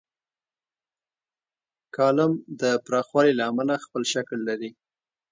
کالم د پراخوالي له امله خپل شکل لري.